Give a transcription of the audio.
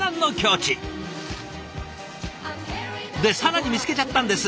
で更に見つけちゃったんです。